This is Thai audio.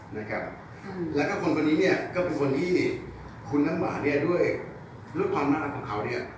แล้วก็คนนี้ก็เป็นคนที่คุณน้ำหวานด้วยรูปความมากของเขา